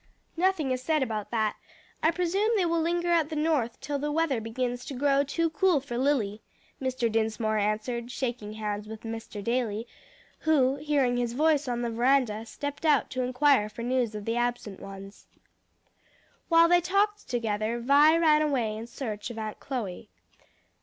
"Nothing is said about that, I presume they will linger at the North till the weather begins to grow too cool for Lily," Mr. Dinsmore answered, shaking hands with Mr. Daly, who, hearing his voice on the veranda, stepped out to inquire for news of the absent ones. While they talked together, Vi ran away in search of Aunt Chloe.